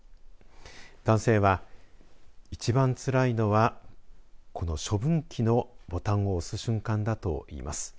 男性は一番つらいのはこの処分機のボタンを押す瞬間だといいます。